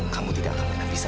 kamu tidak akan bisa